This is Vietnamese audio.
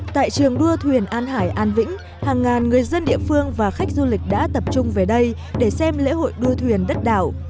tại trường đua thuyền an hải an vĩnh hàng ngàn người dân địa phương và khách du lịch đã tập trung về đây để xem lễ hội đua thuyền đất đảo